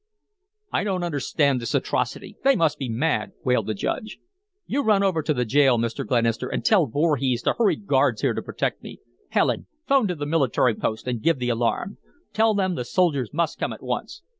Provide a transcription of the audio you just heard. "I don't understand this atrocity. They must be mad!" wailed the Judge. "You run over to the jail, Mr. Glenister, and tell Voorhees to hurry guards here to protect me. Helen, 'phone to the military post and give the alarm. Tell them the soldiers must come at once."